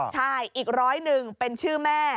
ใช่อีก๑๐๐เป็นชื่อแม่